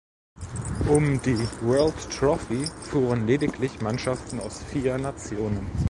Um die World Trophy fuhren lediglich Mannschaften aus vier Nationen.